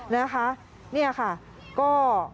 นะคะนี่ค่ะก็